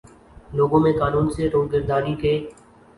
اور لوگوں میں قانون سے روگردانی کے